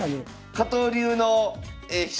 加藤流の飛車